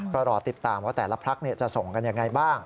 ก็รอติดตามว่าแต่ละพักจะส่งกันยังไงบ้าง